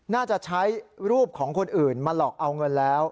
น่าจะใช้รูปของคนอื่นมาหลอกเอาเงินแล้ว